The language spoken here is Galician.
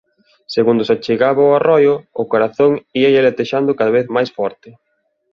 Segundo se chegaba ó arroio, o corazón íalle latexando cada vez máis forte.